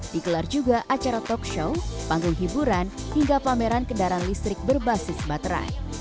dikelar juga acara talk show panggung hiburan hingga pameran kendaraan listrik berbasis baterai